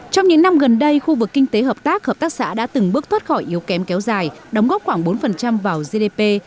trong những năm gần đây khu vực kinh tế hợp tác hợp tác xã đã từng bước thoát khỏi yếu kém kéo dài đóng góp khoảng bốn vào gdp